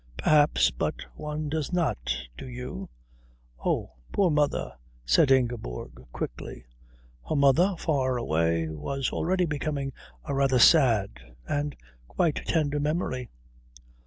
"Perhaps. But one does not. Do you?" "Oh, poor mother " said Ingeborg quickly. Her mother, far away, was already becoming a rather sad and a quite tender memory.